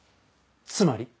つまり？